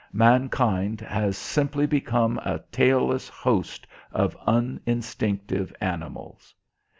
Mankind has simply become a tailless host of uninstinctive animals.